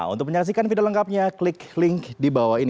untuk menyaksikan video lengkapnya klik link di bawah ini